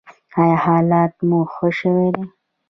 ایا حالت مو ښه شوی دی؟